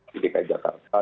di dki jakarta